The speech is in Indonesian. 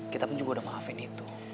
kita pun juga udah maafin itu